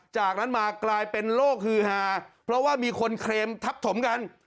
จากนั้นมากลายเป็นโลกฮือฮาเพราะว่ามีคนเคลมทับถมกัน